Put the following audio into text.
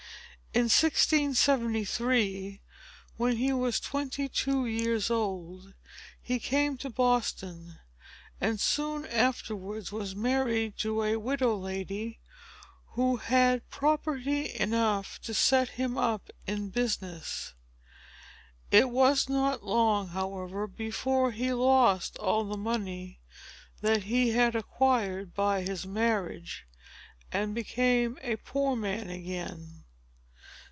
In 1673, when he was twenty two years old, he came to Boston, and soon afterwards was married to a widow lady, who had property enough to set him up in business. It was not long, however, before he lost all the money that he had acquired by his marriage, and became a poor man again.